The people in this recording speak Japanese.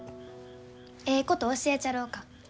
えいこと教えちゃろうか？